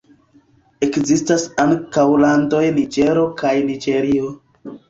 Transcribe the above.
Ekzistas ankaŭ landoj Niĝero kaj Niĝerio.